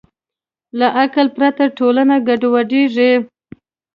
له عقل پرته ټولنه ګډوډېږي.